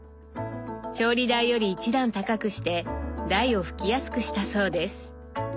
調理台より１段高くして台を拭きやすくしたそうです。